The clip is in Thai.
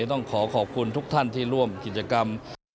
ต้องขอขอบคุณทุกท่านที่ร่วมกิจกรรม